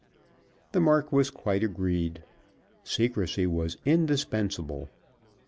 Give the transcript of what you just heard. The Marquis quite agreed. Secrecy was indispensable.